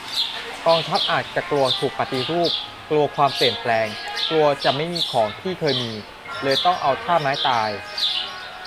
กองทัพอาจจะกลัวถูกปฏิรูป กลัวความเปลี่ยนแปลง กลัวจะไม่มีของที่เคยมี เลยต้องเอาท่าไม้ตาย